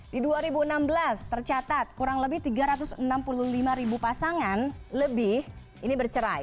di dua ribu enam belas tercatat kurang lebih tiga ratus enam puluh lima ribu pasangan lebih ini bercerai